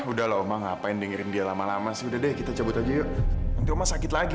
tapi udah lho ngapain dengerin dia lama lama sudah deh kita cabut aja yuk cuma sakit lagi